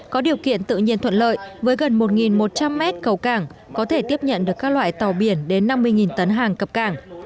có điều kiện tự nhiên thuận lợi với gần một một trăm linh mét cầu cảng có thể tiếp nhận được các loại tàu biển đến năm mươi tấn hàng cập cảng